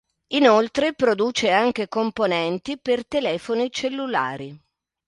Inoltre produce anche componenti per telefoni cellulari.